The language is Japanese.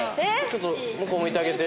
ちょっと向こう向いてあげて。